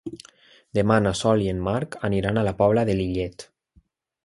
Demà na Sol i en Marc aniran a la Pobla de Lillet.